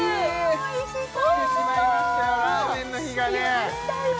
おいしそう！